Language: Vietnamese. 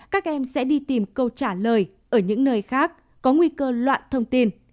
các em sẽ đi tìm câu trả lời ở những nơi khác có nguy cơ loạn thông tin